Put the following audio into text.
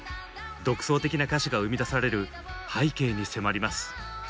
独創的な歌詞が生み出される背景に迫ります。